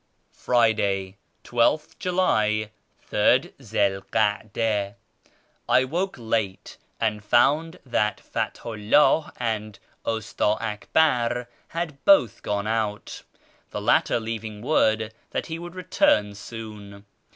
Friday, 12th July, 3rd Zi 'l hada. — I woke late, and found that Fathu 'lliili and Ust;i Akbar had both gone out, the latter leaving word that he would return soon.